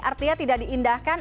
artinya tidak diindahkan